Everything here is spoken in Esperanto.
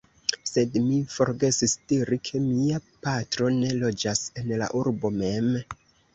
Sed mi forgesis diri, ke mia patro ne loĝas en la urbo mem.